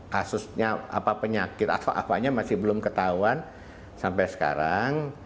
kasusnya apa penyakit atau apanya masih belum ketahuan sampai sekarang